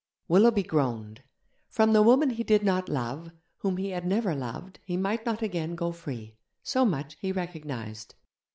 Willoughby groaned. From the woman he did not love, whom he had never loved, he might not again go free; so much he recognized.